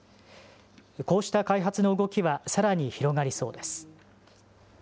こうした開発の動きはさらに広がりそうです。